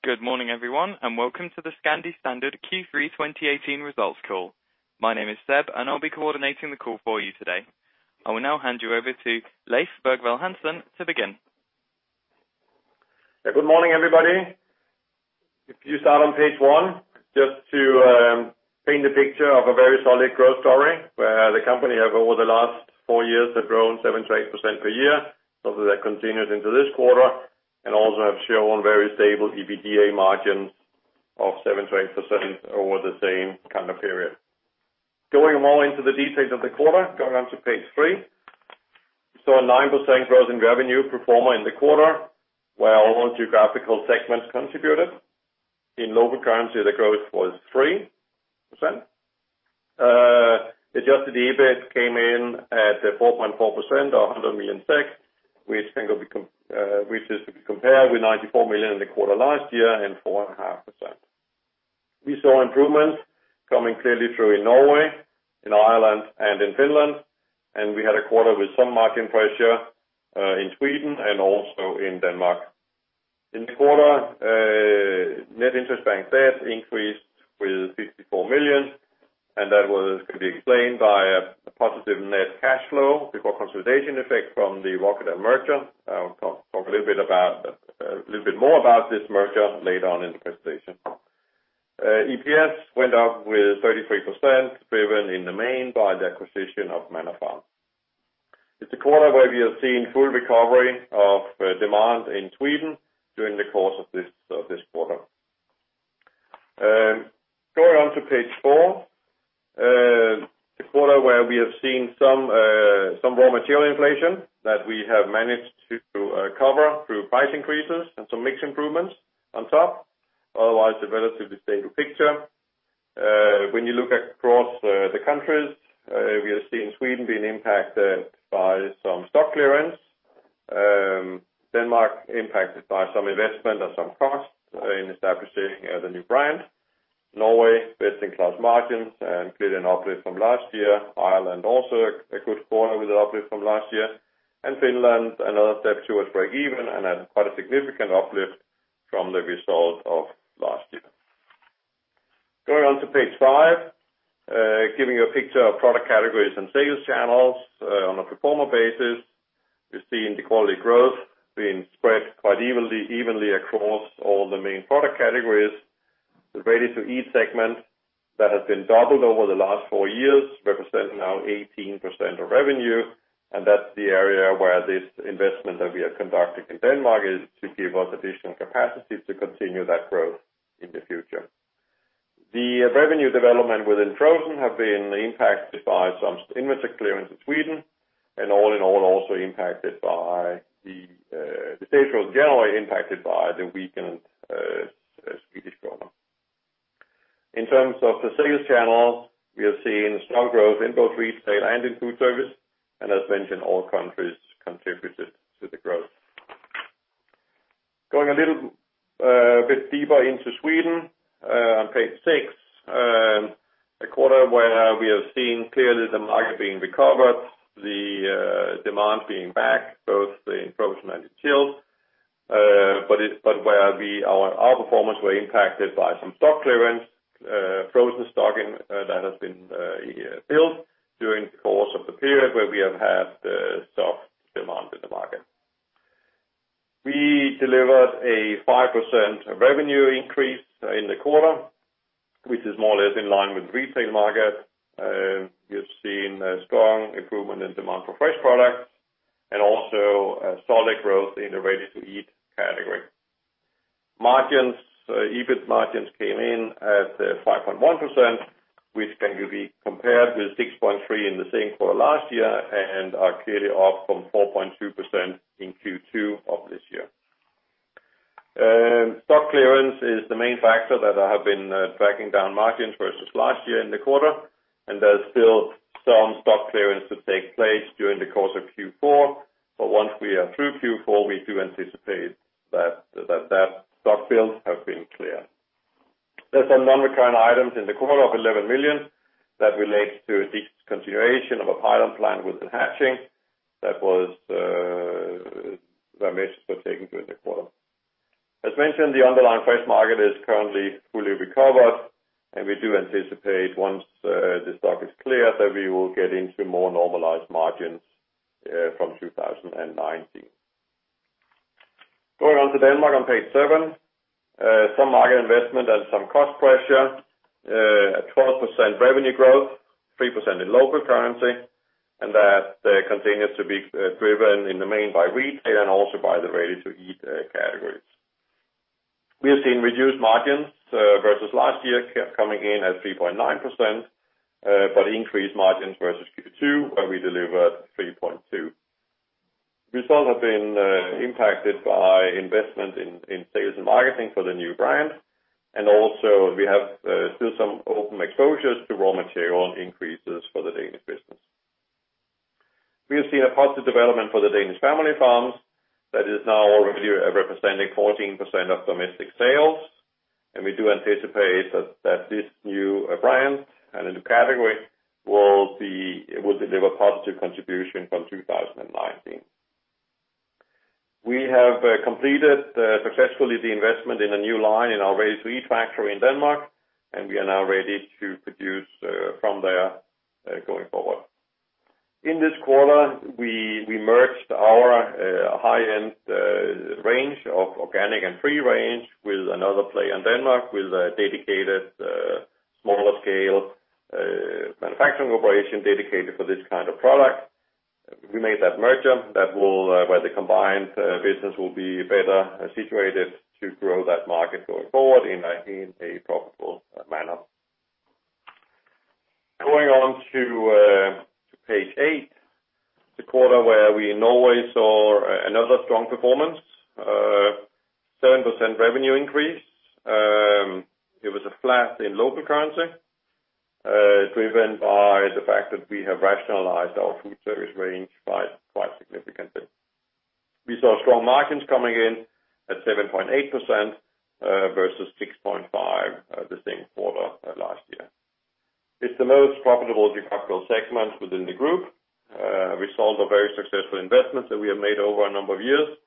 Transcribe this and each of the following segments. Good morning, everyone, and welcome to the Scandi Standard Q3 2018 results call. My name is Seb, and I'll be coordinating the call for you today. I will now hand you over to Leif Bergvall Hansen to begin. Good morning, everybody. If you start on page one, just to paint a picture of a very solid growth story where the company over the last four years have grown 7%-8% per year, that continues into this quarter. Have shown very stable EBITDA margins of 7%-8% over the same kind of period. Going more into the details of the quarter, go around to page three. A 9% growth in revenue pro forma in the quarter, where all geographical segments contributed. In local currency, the growth was 3%. Adjusted EBIT came in at 4.4%, or 100 million SEK, which is to be compared with 94 million in the quarter last year and 4.5%. We saw improvements coming clearly through in Norway, in Ireland, and in Finland, and we had a quarter with some margin pressure in Sweden and also in Denmark. In the quarter, net interest-bearing debt increased with 54 million, and that could be explained by a positive net cash flow before consolidation effect from the Rokkedahl Foods merger. I will talk a little bit more about this merger later on in the presentation. EPS went up with 33%, driven in the main by the acquisition of Manor Farm. It's a quarter where we have seen full recovery of demand in Sweden during the course of this quarter. Going on to page four. A quarter where we have seen some raw material inflation that we have managed to cover through price increases and some mix improvements on top. Otherwise, a relatively stable picture. When you look across the countries, we have seen Sweden being impacted by some stock clearance. Denmark impacted by some investment and some costs in establishing the new brand. Norway, best-in-class margins and clearly an uplift from last year. Ireland, also a good quarter with an uplift from last year. Finland, another step towards breakeven and had quite a significant uplift from the result of last year. Going on to page five, giving you a picture of product categories and sales channels. On a pro forma basis, we've seen the quality growth being spread quite evenly across all the main product categories. The Ready-to-Eat segment that has been doubled over the last four years, representing now 18% of revenue, and that's the area where this investment that we are conducting in Denmark is to give us additional capacity to continue that growth in the future. The revenue development within frozen have been impacted by some inventory clearance in Sweden, and all in all, also impacted by the sales were generally impacted by the weakened Swedish krona. In terms of the sales channels, we have seen strong growth in both retail and in food service. As mentioned, all countries contributed to the growth. Going a little bit deeper into Sweden, on page six. A quarter where we have seen clearly the market being recovered, the demand being back, both in frozen and in chilled. Where our performance were impacted by some stock clearance, frozen stock that has been built during the course of the period where we have had soft demand in the market. We delivered a 5% revenue increase in the quarter, which is more or less in line with retail market. We have seen a strong improvement in demand for fresh products and also a solid growth in the Ready-to-Eat category. EBIT margins came in at 5.1%, which can be compared with 6.3% in the same quarter last year and are clearly up from 4.2% in Q2 of this year. Stock clearance is the main factor that have been tracking down margins versus last year in the quarter. There's still some stock clearance to take place during the course of Q4. Once we are through Q4, we do anticipate that that stock build have been clear. There's some non-recurring items in the quarter of 11 million that relates to discontinuation of a pilot plant within hatching that measures were taken during the quarter. As mentioned, the underlying fresh market is currently fully recovered. We do anticipate once the stock is clear, that we will get into more normalized margins from 2019. Going on to Denmark on page seven. Some market investment and some cost pressure, a 12% revenue growth, 3% in local currency. That continues to be driven in the main by retail and also by the Ready-to-Eat categories. We have seen reduced margins versus last year, coming in at 3.9%, but increased margins versus Q2 where we delivered 3.2%. Results have been impacted by investment in sales and marketing for the new brand. Also, we have still some open exposures to raw material increases for the Danish business. We have seen a positive development for The Danish Family Farms that is now representing 14% of domestic sales. We do anticipate that this new brand and a new category will deliver positive contribution from 2019. We have completed successfully the investment in a new line in our Ready-to-Eat factory in Denmark. We are now ready to produce from there going forward. In this quarter, we merged our high-end range of organic and free range with another play in Denmark, with a dedicated smaller scale manufacturing operation dedicated for this kind of product. We made that merger, where the combined business will be better situated to grow that market going forward in a profitable manner. Going on to page eight, the quarter where we in Norway saw another strong performance, 7% revenue increase. It was a flat in local currency, driven by the fact that we have rationalized our food service range by quite significantly. We saw strong margins coming in at 7.8% versus 6.5% the same quarter last year. It's the most profitable geographical segment within the group. A result of very successful investments that we have made over a number of years,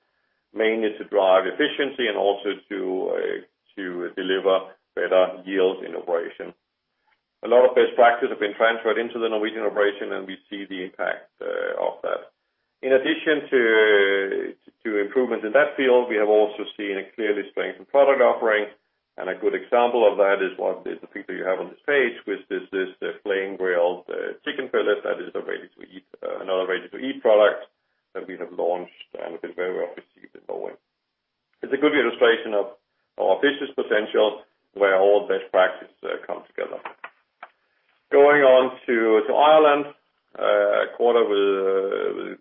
mainly to drive efficiency. Also, to deliver better yields in operation. A lot of best practices have been transferred into the Norwegian operation, and we see the impact of that. In addition to improvements in that field, we have also seen a clearly strengthened product offering, and a good example of that is the picture you have on this page, which is this flame-grilled chicken fillet that is another Ready-to-Eat product that we have launched and been very well received in Norway. It's a good illustration of our business potential, where all best practices come together. Going on to Ireland, a quarter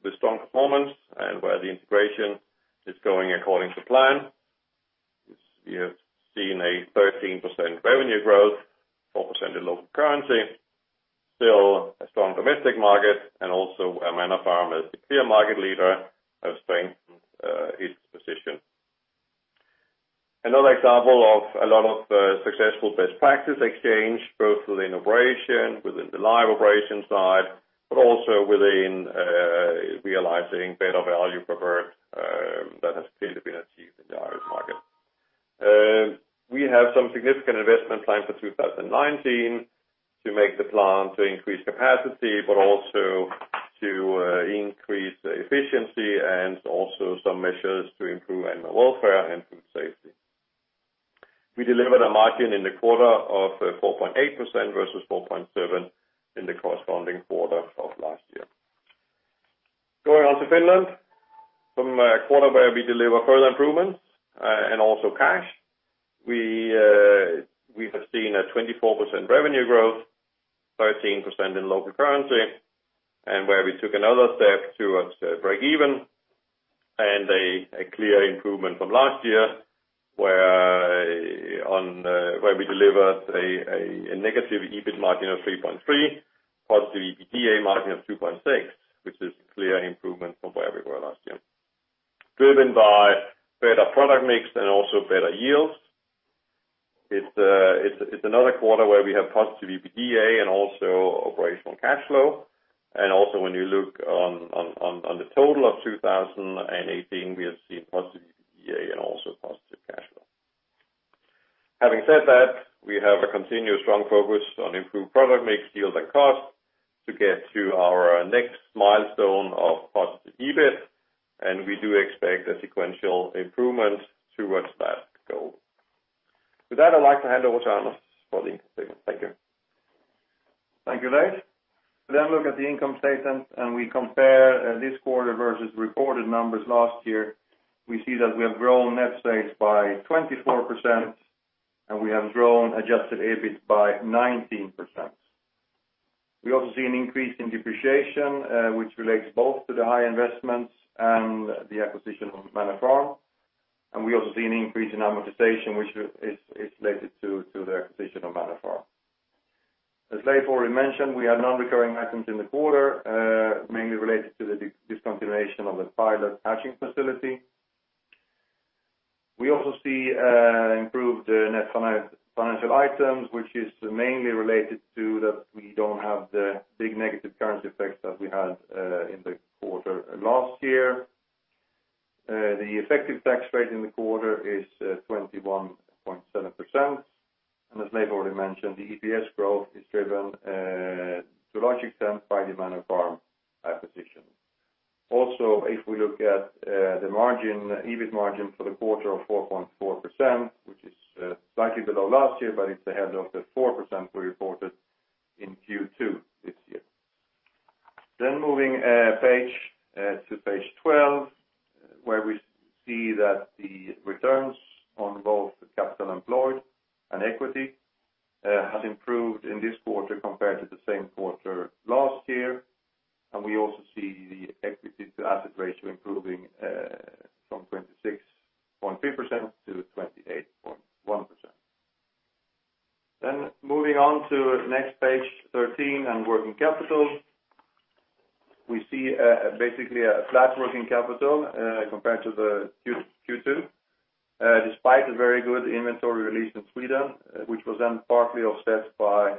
with strong performance and where the integration is going according to plan, which we have seen a 13% revenue growth, 4% in local currency. Still a strong domestic market and also where Manor Farm is the clear market leader, have strengthened its position. Another example of a lot of successful best practice exchange, both within operation, within the live operation side, but also within realizing better value per bird, that has clearly been achieved in the Irish market. We have some significant investment plan for 2019 to make the plan to increase capacity, but also to increase efficiency and also some measures to improve animal welfare and food safety. We delivered a margin in the quarter of 4.8% versus 4.7% in the corresponding quarter of last year. Going on to Finland, from a quarter where we deliver further improvements and also cash. We have seen a 24% revenue growth, 13% in local currency, and where we took another step towards breakeven and a clear improvement from last year, where we delivered a negative EBIT margin of 3.3%, positive EBITDA margin of 2.6%, which is clear improvement from where we were last year. Driven by better product mix and also better yields. It's another quarter where we have positive EBITDA and also operational cash flow. Also when you look on the total of 2018, we have seen positive EBITDA and also positive cash flow. Having said that, we have a continuous strong focus on improved product mix, yield and cost to get to our next milestone of positive EBIT, and we do expect a sequential improvement towards that goal. With that, I'd like to hand over to Anders for the income statement. Thank you. Thank you, Leif. Look at the income statement, we compare this quarter versus reported numbers last year. We see that we have grown net sales by 24%, and we have grown adjusted EBIT by 19%. We also see an increase in depreciation, which relates both to the high investments and the acquisition of Manor Farm. We also see an increase in amortization, which is related to the acquisition of Manor Farm. As Leif already mentioned, we had non-recurring items in the quarter, mainly related to the discontinuation of the pilot hatching facility. We also see improved net financial items, which is mainly related to that we don't have the big negative currency effects that we had in the quarter last year. The effective tax rate in the quarter is 21.7%. As Leif already mentioned, the EPS growth is driven to a large extent by the Manor Farm acquisition. Also, if we look at the EBIT margin for the quarter of 4.4%, which is slightly below last year, but it's ahead of the 4% we reported in Q2 this year. Moving to page 12, where we see that the returns on both capital employed and equity has improved in this quarter compared to the same quarter last year. We also see the equity to asset ratio improving from 26.3% to 28.1%. Moving on to next page, 13 on working capital. We see basically a flat working capital compared to the Q2, despite a very good inventory release in Sweden, which was then partly offset by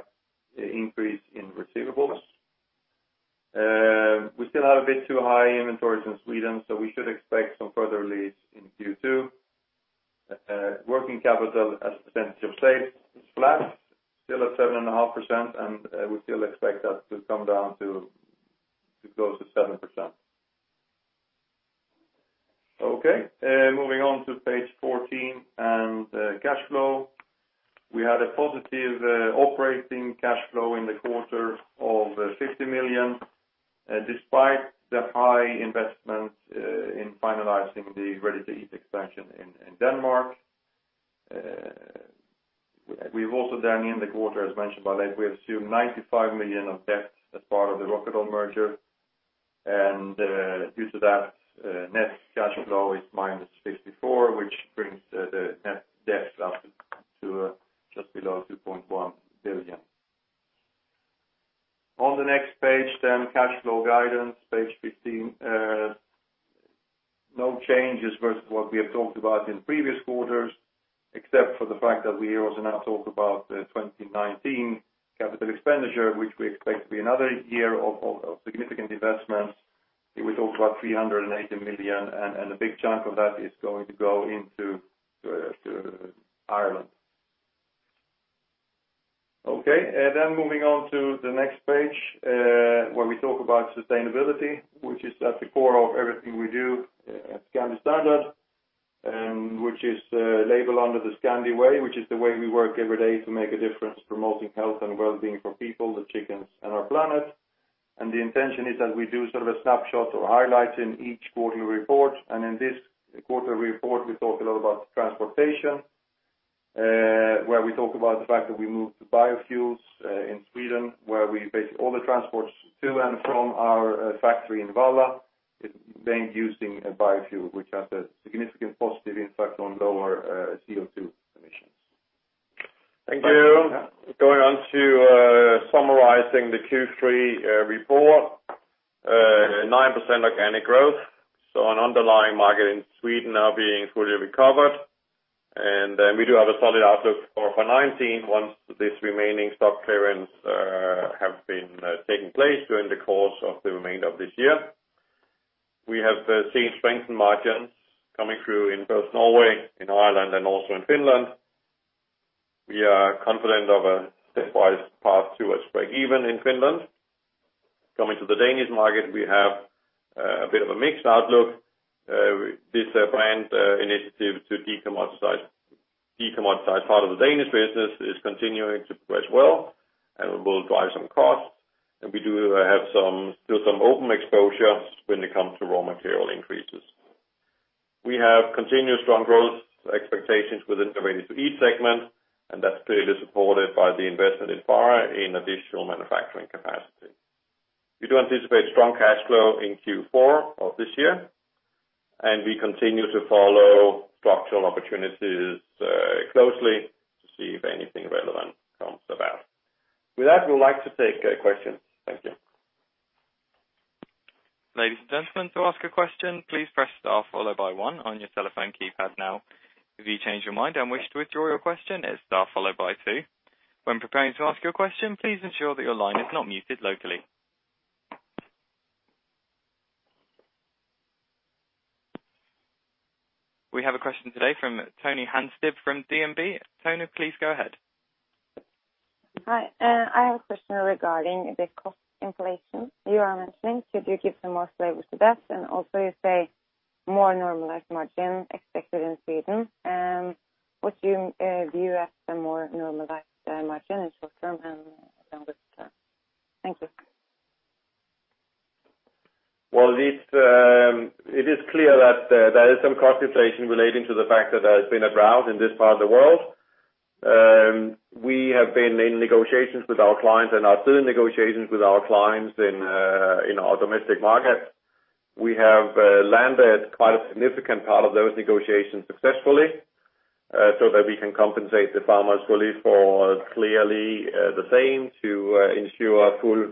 increase in receivables. We still have a bit too high inventories in Sweden, so we should expect some further release in Q2. Working capital, as Leif just said, is flat, still at 7.5%, and we still expect that to go to 7%. Moving on to page 14 and cash flow. We had a positive operating cash flow in the quarter of 60 million, despite the high investment in finalizing the Ready-to-Eat expansion in Denmark. We've also then in the quarter, as mentioned by Leif, we assumed 95 million of debt as part of the Rokkedahl merger. Due to that, net cash flow is minus 64, which brings the net debt level to just below 2.1 billion. On the next page, cash flow guidance, page 15. No changes versus what we have talked about in previous quarters, except for the fact that we also now talk about the 2019 capital expenditure, which we expect to be another year of significant investments. We talk about 380 million, and a big chunk of that is going to go into Ireland. Moving on to the next page, where we talk about sustainability, which is at the core of everything we do at Scandi Standard, which is labeled under The Scandi Way, which is the way we work every day to make a difference promoting health and wellbeing for people, the chickens, and our planet. The intention is that we do sort of a snapshot or highlight in each quarterly report. In this quarterly report, we talk a lot about transportation, where we talk about the fact that we moved to biofuels in Sweden, where we basically all the transports to and from our factory in Valla is then using a biofuel, which has a significant positive impact on lower CO2 emissions. Thank you. Going on to summarizing the Q3 report. 9% organic growth, an underlying market in Sweden now being fully recovered. We do have a solid outlook for 2019 once this remaining stock clearance have been taking place during the course of the remainder of this year. We have seen strengthened margins coming through in both Norway, in Ireland, and also in Finland. We are confident of a stepwise path towards breakeven in Finland. Coming to the Danish market, we have a bit of a mixed outlook. This brand initiative to decommoditize part of the Danish business is continuing to progress well and will drive some costs. We do have still some open exposure when it comes to raw material increases. We have continuous strong growth expectations within the Ready-to-Eat segment, and that's clearly supported by the investment in Farre in additional manufacturing capacity. We do anticipate strong cash flow in Q4 of this year. We continue to follow structural opportunities closely to see if anything relevant comes about. With that, we would like to take questions. Thank you. Ladies and gentlemen, to ask a question, please press star followed by one on your telephone keypad now. If you change your mind and wish to withdraw your question, it is star followed by two. When preparing to ask your question, please ensure that your line is not muted locally. We have a question today from Tove Bye Haugland from DNB. Tove, please go ahead. Hi. I have a question regarding the cost inflation you are mentioning. Could you give some more flavor to that? Also, you say more normalized margin expected in Sweden. What you view as the more normalized margin in short term and longer term? Thank you. Well, it is clear that there is some cost inflation relating to the fact that there has been a drought in this part of the world. We have been in negotiations with our clients, are still in negotiations with our clients in our domestic market. We have landed quite a significant part of those negotiations successfully, so that we can compensate the farmers fully to ensure full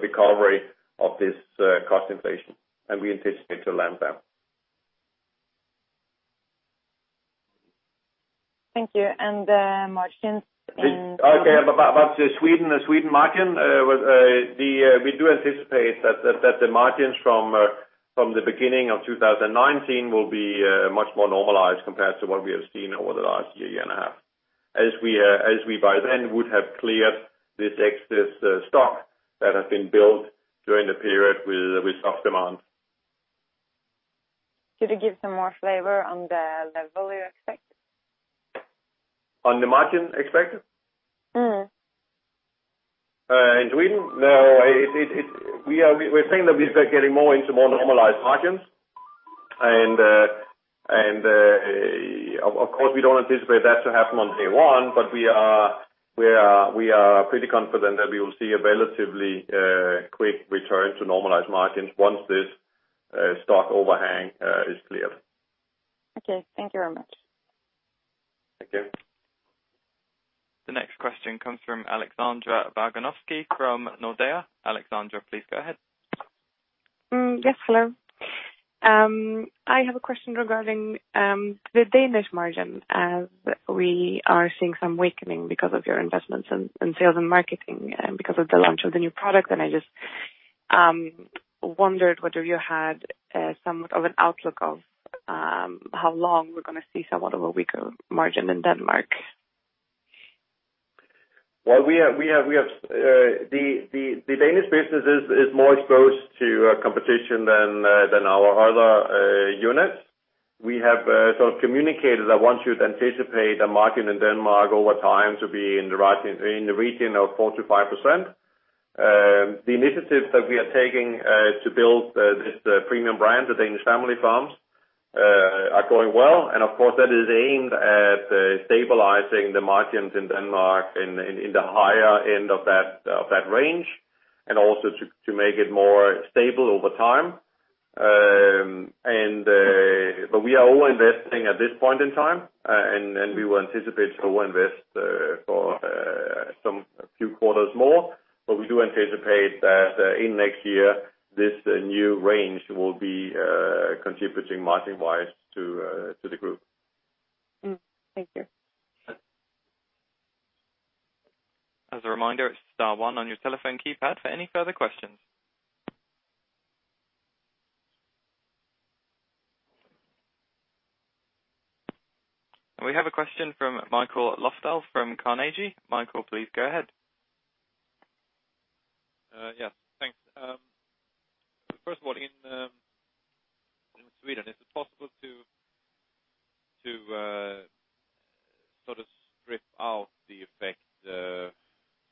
recovery of this cost inflation. We anticipate to land them. Thank you. Okay. About Sweden, the Sweden margin, we do anticipate that the margins from the beginning of 2019 will be much more normalized compared to what we have seen over the last year and a half. As we, by then, would have cleared this excess stock that has been built during the period with soft demand. Could you give some more flavor on the level you expect? On the margin expected? In Sweden? No. We're saying that we are getting more into more normalized margins. Of course, we don't anticipate that to happen on day one, but we are pretty confident that we will see a relatively quick return to normalized margins once this stock overhang is cleared. Okay. Thank you very much. Thank you. The next question comes from Alexander Bokhanovskiy from Nordea. Alexander, please go ahead. Yes. Hello. I have a question regarding the Danish margin, as we are seeing some weakening because of your investments in sales and marketing, and because of the launch of the new product. I just wondered whether you had somewhat of an outlook of how long we're going to see somewhat of a weaker margin in Denmark. Well, the Danish business is more exposed to competition than our other units. We have sort of communicated that once you'd anticipate the margin in Denmark over time to be in the region of 4%-5%. The initiatives that we are taking to build this premium brand, The Danish Family Farms, are going well. Of course, that is aimed at stabilizing the margins in Denmark in the higher end of that range and also to make it more stable over time. We are all investing at this point in time, and we will anticipate to invest for some few quarters more. We do anticipate that in next year, this new range will be contributing margin-wise to the group. Thank you. As a reminder, star one on your telephone keypad for any further questions. We have a question from Mikael Lönnquist from Carnegie. Mikael, please go ahead. Yes. Thanks. First of all, in Sweden, is it possible to sort of strip out the effect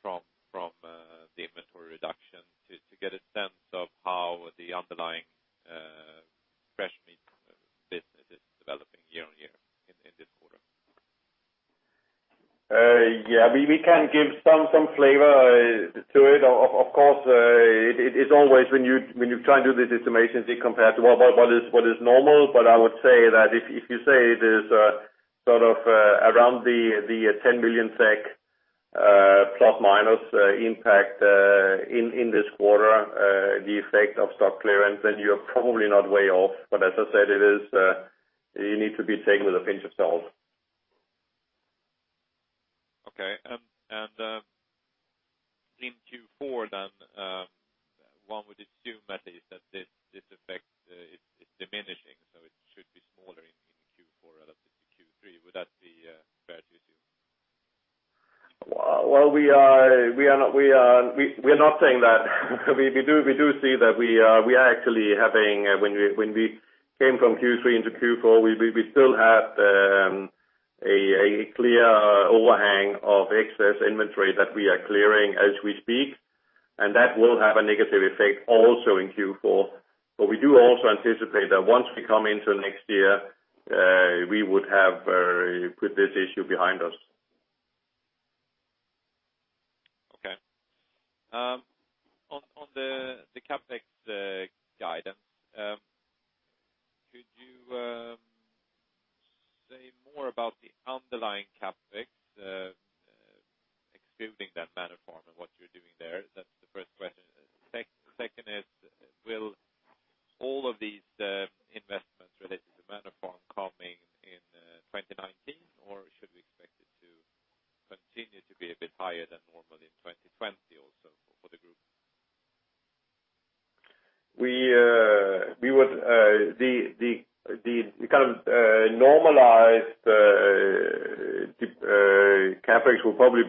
from the inventory reduction to get a sense of how the underlying fresh meat business is developing year-over-year in this quarter? Yeah. We can give some flavor to it. Of course, it is always when you try and do these estimations, you compare to what is normal. I would say that if you say it is sort of around 10 million SEK ± impact in this quarter, the effect of stock clearance, then you're probably not way off. As I said, you need to be taken with a pinch of salt. Okay. In Q4 then, one would assume that this effect is diminishing, it should be smaller in Q4 relative to Q3. Would that be fair to assume? We are not saying that. We do see that when we came from Q3 into Q4, we still had a clear overhang of excess inventory that we are clearing as we speak, that will have a negative effect also in Q4. We do also anticipate that once we come into next year, we would have put this issue behind us. Okay. On the CapEx guidance, could you say more about the underlying CapEx, excluding that Manor Farm and what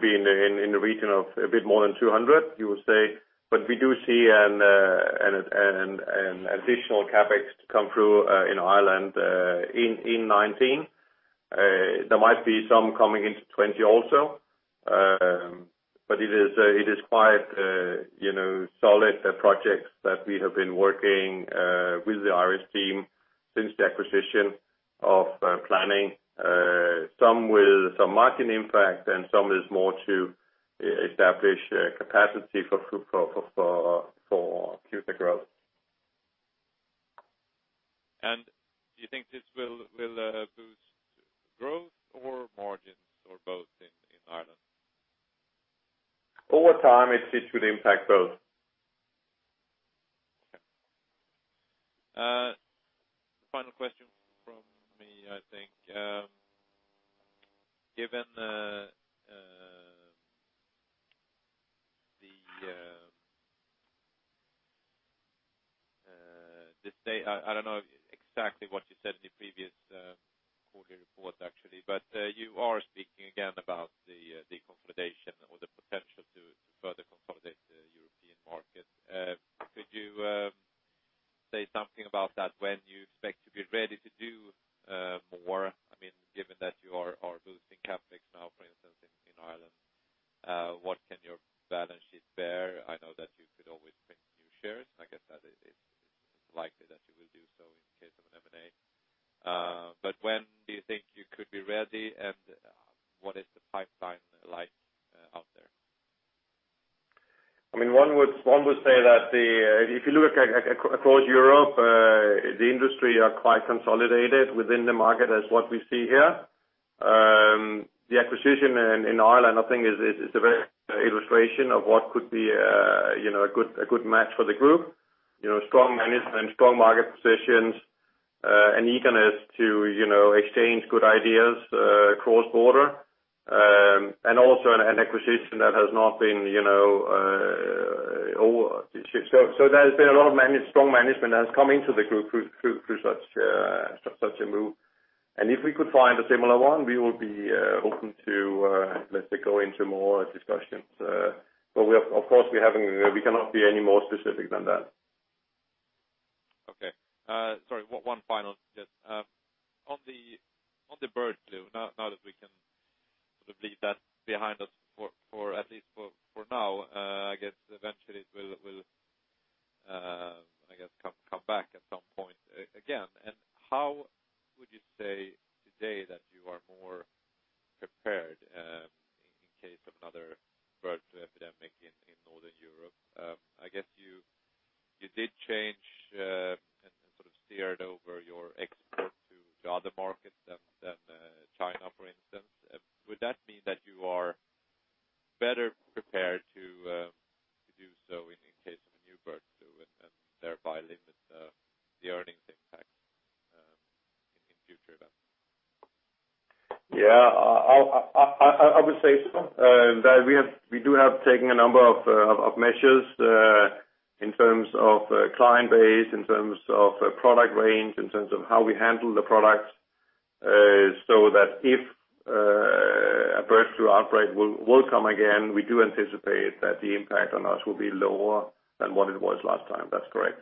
you're doing there? That's the first question. Second is, will all of these investments related to Manor Farm coming in 2019 or should we expect it to continue to be a bit higher than normal in 2020 also for the group? The kind of normalized CapEx will probably be in the region of a bit more than SEK 200, you will say. We do see an additional CapEx to come through in Ireland in 2019. There might be some coming into 2020 also. It is quite solid projects that we have been working with the Irish team since the acquisition of planning. Some with some margin impact, and some is more to establish capacity for future growth. Do you think this will boost growth or margins or both in Ireland? Over time, it should impact both. Okay. Final question from me, I think. Given this day, I don't know exactly what you said in the previous quarterly report, actually, but you are speaking again about the consolidation or the potential to further consolidate the European market. Could you say something about that, when you expect to be ready to do more? Given that you are boosting CapEx now, for instance, in Ireland, what can your balance sheet bear? I know that you could always print new shares. I guess that it's likely that you will do so in case of an M&A. When do you think you could be ready, and what is the pipeline like out there? One would say that if you look across Europe, the industry are quite consolidated within the market as what we see here. The acquisition in Ireland, I think, is a very good illustration of what could be a good match for the group. Strong management, strong market positions, an eagerness to exchange good ideas cross-border. There's been a lot of strong management that has come into the group through such a move. If we could find a similar one, we will be open to, let's say, go into more discussions. Of course, we cannot be any more specific than that. Okay. Sorry, one final. On the bird flu, now that we can sort of leave that behind us, at least for now. I guess eventually it will come back at some point again. How would you say today that you are more prepared in case of another bird flu epidemic in Northern Europe? I guess you did change and sort of steered over your export to other markets than China, for instance. Would that mean that you are better prepared to do so in case of a new bird flu and thereby limit the earnings impact in future events? Yeah. I would say so, that we do have taken a number of measures in terms of client base, in terms of product range, in terms of how we handle the products, so that if a bird flu outbreak will come again, we do anticipate that the impact on us will be lower than what it was last time. That's correct.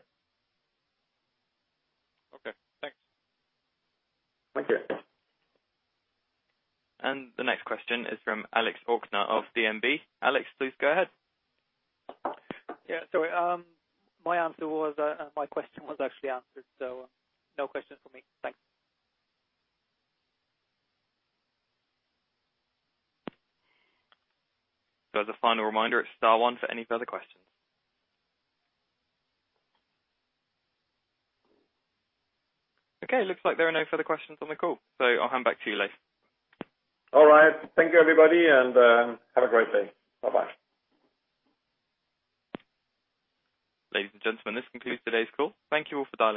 Okay, thanks. Thank you. The next question is from Alexander Aukner of DNB. Alex, please go ahead. Yeah. Sorry. My question was actually answered, so no question from me. Thanks. As a final reminder, it's star 1 for any further questions. Looks like there are no further questions on the call, I'll hand back to you, Leif. All right. Thank you, everybody, and have a great day. Bye-bye. Ladies and gentlemen, this concludes today's call. Thank you all for dialing in.